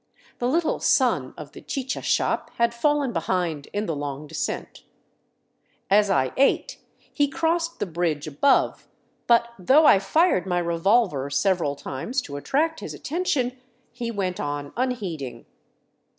The little son of the chicha shop had fallen behind in the long descent. As I ate, he crossed the bridge above, but though I fired my revolver several times to attract his attention, he went on unheeding.